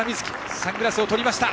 サングラスを取りました。